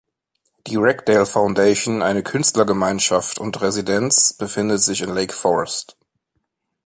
Die Ragdale Foundation, eine Künstlergemeinschaft und Residenz, befindet sich in Lake Forest.